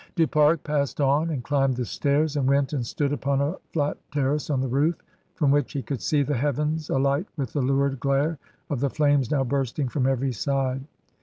Du Pare passed on and climbed the stairs, and went and stood upon a flat terrace on the roof, from which he could see the heavens alight with the lurid glare of the flames now bursting from every side.